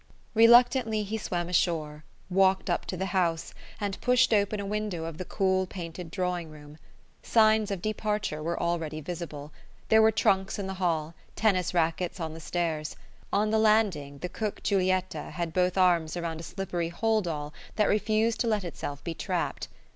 Reluctantly he swam ashore, walked up to the house, and pushed open a window of the cool painted drawing room. Signs of departure were already visible. There were trunks in the hall, tennis rackets on the stairs; on the landing, the cook Giulietta had both arms around a slippery hold all that refused to let itself be strapped.